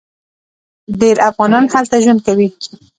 ډیر افغانان هلته ژوند کوي.